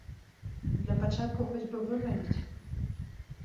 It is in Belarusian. Для пачатку хоць бы вымавіць.